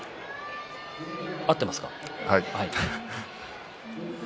合っていますか？